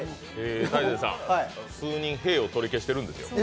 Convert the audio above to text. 大晴さん、数人、へぇを取り消しているんですよ。